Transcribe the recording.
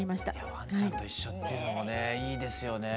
わんちゃんと一緒っていうのもねいいですよね。